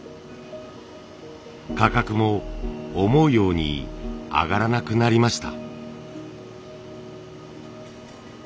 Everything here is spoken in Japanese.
価格も思うように上がらなくなりました。